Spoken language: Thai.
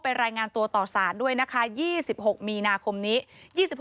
รายงานตัวต่อสารด้วยนะคะ๒๖มีนาคมนี้